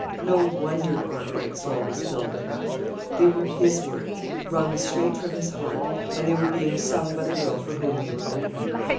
No wonder Arkwright's soul was filled with rapture. They were his words, wrung straight from his heart; and they were being sung by the girl for whom they were written.